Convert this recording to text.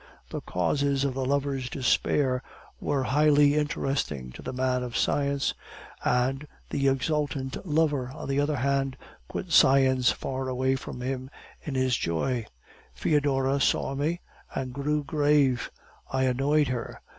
The causes of the lover's despair were highly interesting to the man of science; and the exultant lover, on the other hand, put science far away from him in his joy. Foedora saw me, and grew grave: I annoyed her.